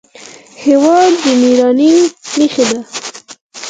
هېواد د مېړانې نښه ده.